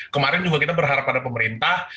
kemarin juga kita berharap pada pemerintah